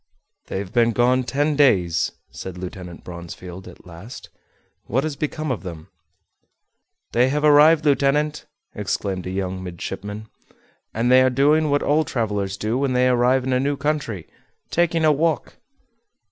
"They have been gone ten days," said Lieutenant Bronsfield at last. "What has become of them?" "They have arrived, lieutenant," exclaimed a young midshipman, "and they are doing what all travelers do when they arrive in a new country, taking a walk!"